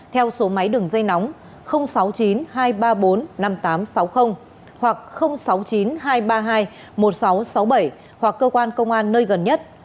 theo số máy đường dây nóng sáu mươi chín hai trăm ba mươi bốn năm nghìn tám trăm sáu mươi hoặc sáu mươi chín hai trăm ba mươi hai một nghìn sáu trăm sáu mươi bảy hoặc cơ quan công an nơi gần nhất